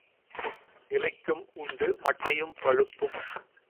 இலைக்கும் உண்டு, மட்டையும் பழுப்பும்.